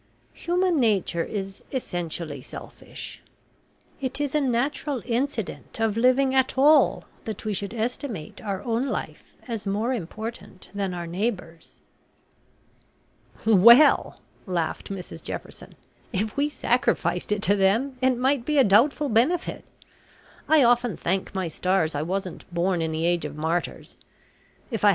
Human nature is essentially selfish. It is a natural incident of living at all that we should estimate our own life as more important than our neighbours." "Well," laughed Mrs Jefferson, "if we sacrificed it to them, it might be a doubtful benefit. I often thank my stars I wasn't born in the age of martyrs. If J.